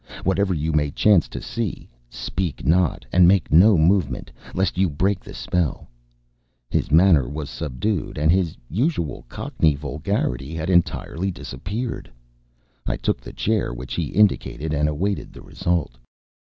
Whatever you may chance to see, speak not and make no movement, lest you break the spell." His manner was subdued, and his usual cockney vulgarity had entirely disappeared. I took the chair which he indicated, and awaited the result.